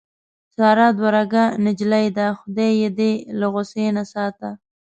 ساره دوه رګه نجیلۍ ده. خدای یې دې له غوسې نه ساته.